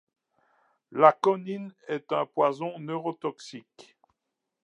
La conine est un poison neurotoxique.